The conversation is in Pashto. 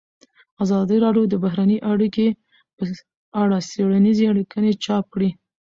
ازادي راډیو د بهرنۍ اړیکې په اړه څېړنیزې لیکنې چاپ کړي.